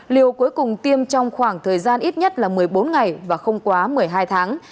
liều cuối cùng tiêm trong khoảng thời gian ít nhất là một mươi bốn ngày và không quá một mươi hai tháng